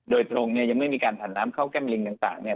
โดยตรงเนี่ยยังไม่มีการผ่านน้ำเข้าแก้มลิงต่างเนี่ย